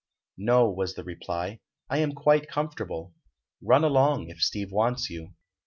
"No," was the reply; "I am quite comfortable. Run along, if Steve wants you."